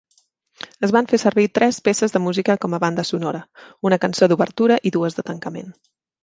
Es van fer servir tres peces de música com a banda sonora: una cançó d'obertura i dues de tancament.